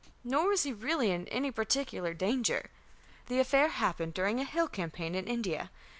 Nor was he really in any particular danger. The affair happened during a hill campaign in India.